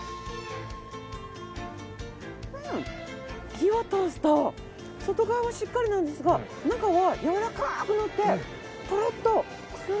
火を通すと外側はしっかりなんですが中はやわらかくなってとろっと口の中でとろけます。